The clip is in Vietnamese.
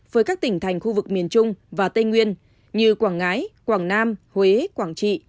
với các tỉnh thành khu vực miền trung và tây nguyên như quảng ngãi quảng nam huế quảng trị